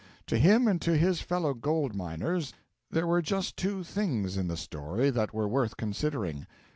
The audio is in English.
To him and to his fellow gold miners there were just two things in the story that were worth considering.